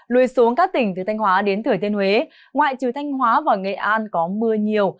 lùi xuống các tỉnh từ thanh hóa đến thừa thiên huế ngoại trừ thanh hóa và nghệ an có mưa nhiều